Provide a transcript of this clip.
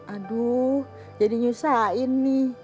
aduh jadi nyusahin nih